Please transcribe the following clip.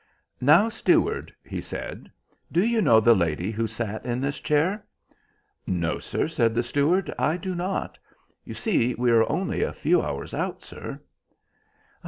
"Now, steward," he said, "do you know the lady who sat in this chair?" "No, sir," said the steward, "I do not. You see, we are only a few hours out, sir."